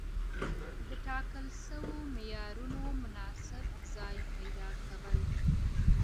د ټاکل سوو معيارونو مناسب ځای پيدا کول.